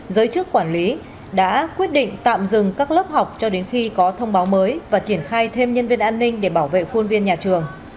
giới chức quản lý đã quyết định tạm dừng các lớp học cho đến khi có thông báo mới và triển khai thêm nhân viên an ninh để bảo vệ khuôn viên nhà trường